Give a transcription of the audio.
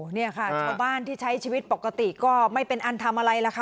นี่ค่ะชาวบ้านที่ใช้ชีวิตปกติก็ไม่เป็นอันทำอะไรล่ะค่ะ